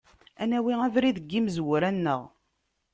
Ad nawi abrid n yimezwura-nneɣ.